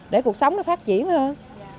để cuộc sống nó phát triển hơn